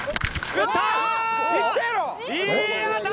打った！